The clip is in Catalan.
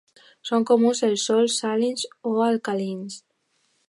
Són comuns els sòls salins o alcalins.